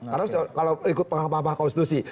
karena kalau ikut pengamah konstitusi